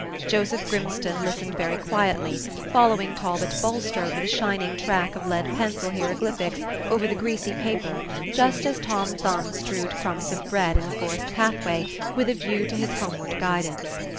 Joseph Grimstone listened very quietly, following Talbot Bulstrode with a shining track of lead pencil hieroglyphics over the greasy paper, just as Tom Thumb strewed crumbs of bread in the forest pathway with a view to his homeward guidance.